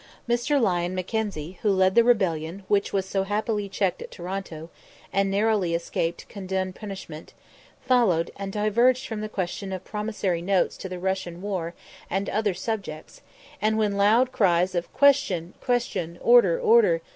Mr. Lyon Mackenzie, who led the rebellion which was so happily checked at Toronto, and narrowly escaped condign punishment, followed, and diverged from the question of promissory notes to the Russian war and other subjects; and when loud cries of "Question, question, order, order!"